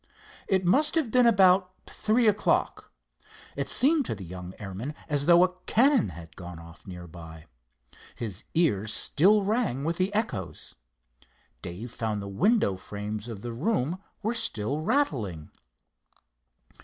It must have been about three o'clock. It seemed to the young airman as though a cannon had gone off near by. His ears still rang with the echoes. Dave found the window frames of the room were still rattling.